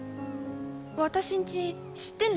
私んち知ってんら？